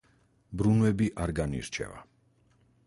ბრუნვები არ განირჩევა.